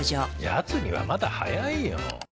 やつにはまだ早いよ。